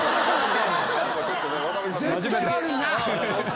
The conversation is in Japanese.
絶対悪いな！